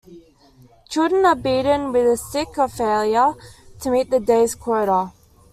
Children are beaten with a stick for failure to meet the day's quota.